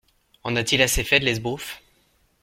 En a-t-il assez fait de l'esbroufe !